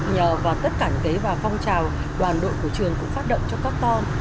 nhờ vào tất cả những cái phong trào đoàn đội của trường cũng phát động cho các con